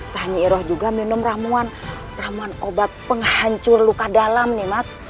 dan nyiiroh juga minum ramuan ramuan obat penghancur luka dalam nih mas